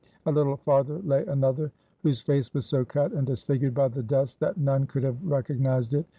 A little farther lay another, whose face was so cut, and disfigured by the dust, that none could have recognized it!